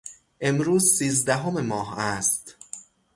امروز سیزدهم ماه است.